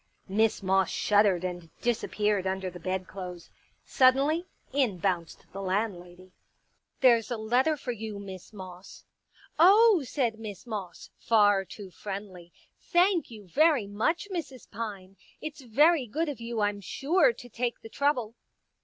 Miss Moss shuddered and disappeared under the bedclothes. Suddenly, in bounced the landlady. Pictures *• There's a letter for you, Miss Moss.'* " Oh," said Miss Moss, far too friendly, " thank you very much, Mrs. Pine. It's very good of you, I'm sure, to take the trouble."